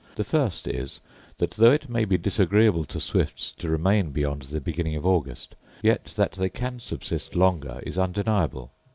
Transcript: The first is, that though it may be disagreeable to swifts to remain beyond the beginning of August, yet that they can subsist longer is undeniable.